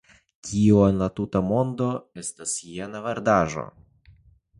Kio en la tuta mondo estas jena verdaĵo?